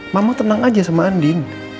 mama tenang aja sama andin